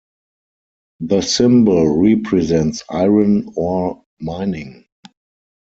The symbol represents iron ore mining.